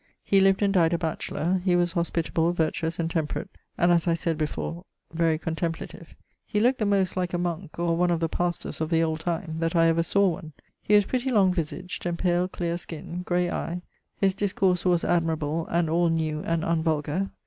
He lived and dyed a batchelour. He was hospitable, vertuous, and temperate; and, as I sayd before, very contemplative. He lookt the most like a monk, or one of the pastours of the old time, that I ever sawe one. He was pretty long visagd and pale cleare skin, gray eie. His discourse was admirable, and all new and unvulgar.